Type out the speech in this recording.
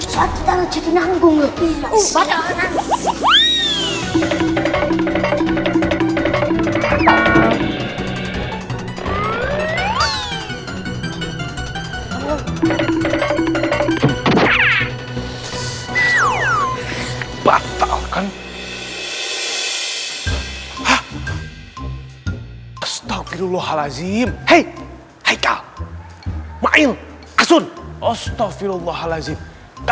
soalnya kita udah jadi nanggung